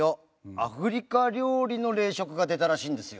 アフリカ料理の冷食が出たらしいんですよ。